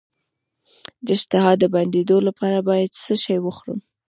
د اشتها د بندیدو لپاره باید څه شی وخورم؟